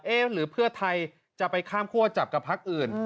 หรือเพื่อไทยจะไปข้ามคั่วจับกับพักอื่น